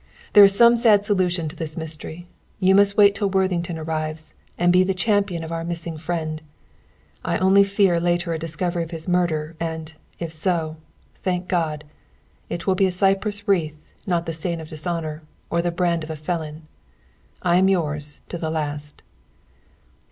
There is some sad solution to this mystery. You must wait till Worthington arrives, and be the champion of our missing friend. I only fear later a discovery of his murder, and, if so, thank God! it will be a cypress wreath; not the stain of dishonor, or the brand of the felon. I am yours, to the last."